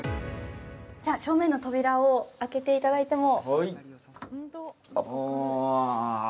正面の扉を開けていただいても。